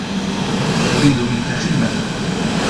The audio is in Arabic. أريد منك خدمة.